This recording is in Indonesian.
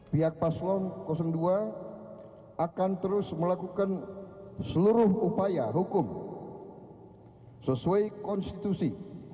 pihak paslon dua akan terus melakukan seluruh upaya hukum sesuai konstitusi